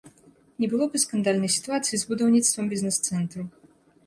Не было б і скандальнай сітуацыі з будаўніцтвам бізнес-цэнтру.